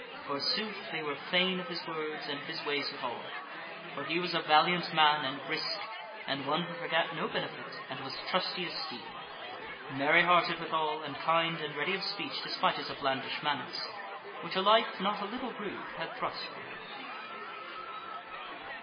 Forsooth, they were fain of his words, and of his ways withal. For he was a valiant man, and brisk, and one who forgat no benefit, and was trusty as steel; merry hearted withal, and kind and ready of speech despite his uplandish manners, which a life not a little rude had thrust on him.